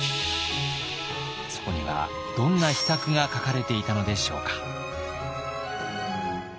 そこにはどんな秘策が書かれていたのでしょうか。